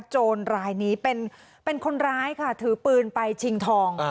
โจรรายนี้เป็นคนร้ายค่ะถือปืนไปชิงทอง